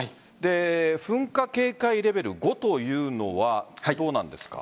噴火警戒レベル５というのはどうなんですか？